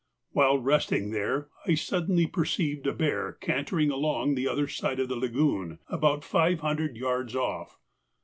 While resting there I suddenly perceived a bear cantering along the other side of the lagoon about five hundred yards off.